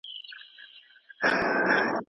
شاعر په خپله سندره کې د مینې د وصال هیله کوي.